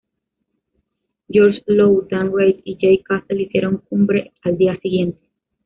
George Lowe, Dan Reid y Jay Cassell hicieron cumbre al día siguiente.